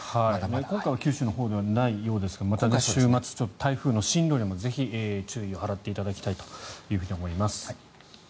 今回は九州のほうではないようですがまた週末、台風の進路にもぜひ注意を払っていただきたいと思います。